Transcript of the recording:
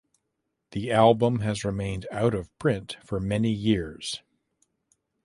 The album has remained out of print for many years.